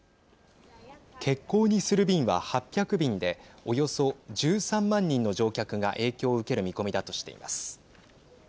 欠航にする便は８００便でおよそ１３万人の乗客が影響を受ける見込みだとしています。